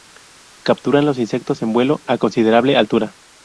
Capturan los insectos en vuelo, a considerable altura.